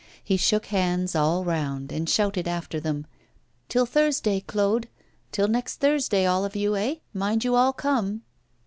He shook hands all round, and shouted after them: 'Till Thursday, Claude; till next Thursday, all of you, eh? Mind you all come!